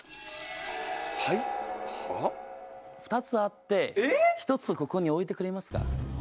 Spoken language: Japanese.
２つあって１つここに置いてくれますか？